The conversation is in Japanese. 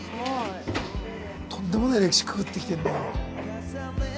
とんでもない歴史くぐってきてるんだよ。